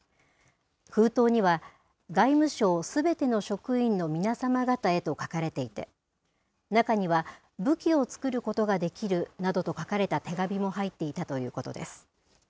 封筒には、外務省すべての職員のみなさま方へと書かれていて、中には、武器を作ることができるなどと書かれた手紙も入っていたということです。